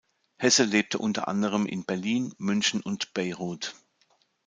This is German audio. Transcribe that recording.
Hesse lebte unter anderem in Berlin, München und Beirut.